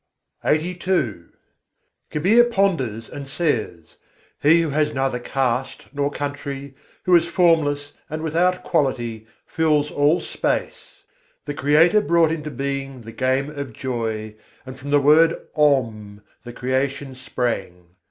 LXXXII III. 76. kahain Kabîr vicâr ke Kabîr ponders and says: "He who has neither caste nor country, who is formless and without quality, fills all space." The Creator brought into being the Game of Joy: and from the word Om the Creation sprang.